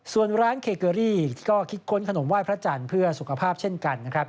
ส่วนร้านเคเกอรี่ก็คิดค้นขนมไหว้พระจันทร์เพื่อสุขภาพเช่นกันนะครับ